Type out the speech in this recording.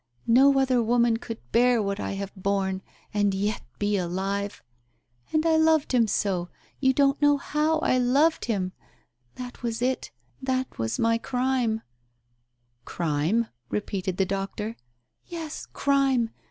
No other woman could bear what I have borne, and yet be alive ! And I loved him so; you don't know how I loved him ! That was it — that was my crime " "Crime?" repeated the doctor. "Yes, crime!